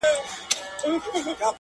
• قاسم یاره دوی لقب د اِبهام راوړ..